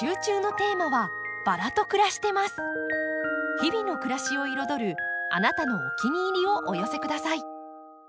日々の暮らしを彩るあなたのお気に入りをお寄せください。